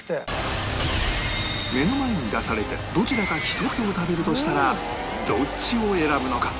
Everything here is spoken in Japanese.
目の前に出されてどちらか一つを食べるとしたらどっちを選ぶのか？